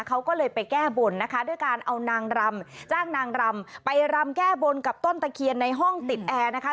เขาก็เลยไปแก้บนนะคะด้วยการเอานางรำจ้างนางรำไปรำแก้บนกับต้นตะเคียนในห้องติดแอร์นะคะ